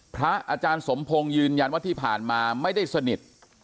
พระอาจารย์สมพงศ์ยืนยันว่าที่ผ่านมาไม่ได้สนิท